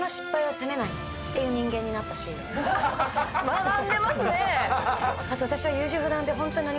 学んでますね。